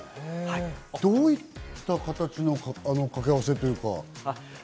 どういった形の掛け合わせというか。